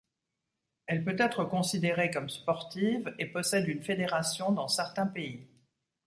Elle peut être considérée comme sportive et possède une fédération dans certains pays.